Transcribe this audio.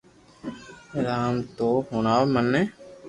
يار تو تو ھڻاو مين